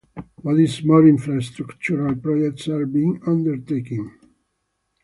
What is more, infrastructural projects are being undertaken.